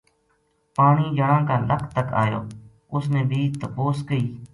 پانی جنا کا لَک تک اَیو اُس نے بھی تپوس کئی